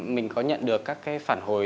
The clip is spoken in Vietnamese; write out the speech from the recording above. mình có nhận được các cái phản hồi